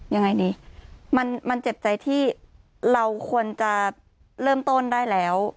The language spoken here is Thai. ยังไงดีมันเจ็บใจที่เราควรจะเริ่มต้นได้แล้ว